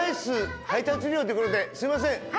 すいません。